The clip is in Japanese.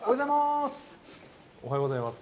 おはようございます。